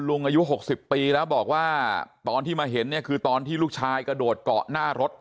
ลุงอายุ๖๐ปีแล้วบอกว่าตอนที่มาเห็นเนี่ยคือตอนที่ลูกชายกระโดดเกาะหน้ารถ